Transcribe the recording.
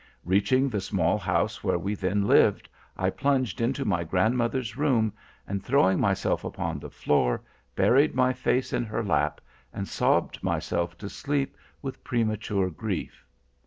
Reaching the small house where we then lived, I plunged into my grandmother's room and, throwing myself upon the floor, buried my face in her lap; and sobbed myself to sleep with premature grief.